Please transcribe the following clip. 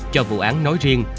cho vụ án nói riêng